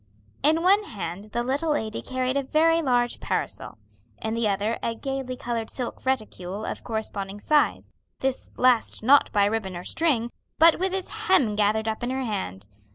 In one hand the little lady carried a very large parasol, in the other a gayly colored silk reticule of corresponding size, this last not by a ribbon or string, but with its hem gathered up in her hand.